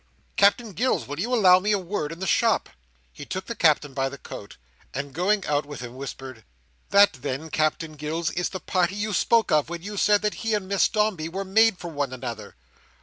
Captain Gills, will you allow me a word in the shop?" He took the Captain by the coat, and going out with him whispered: "That then, Captain Gills, is the party you spoke of, when you said that he and Miss Dombey were made for one another?"